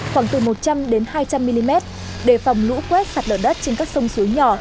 khoảng từ một trăm linh đến hai trăm linh mm đề phòng lũ quét sạt lở đất trên các sông suối nhỏ